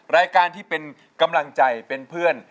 รายการที่เป็นกำลังใจเป็นเพื่อน